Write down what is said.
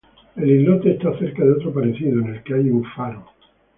El islote está cerca de otro parecido, en el que hay un faro.